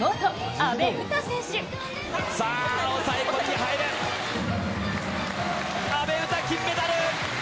阿部詩、金メダル！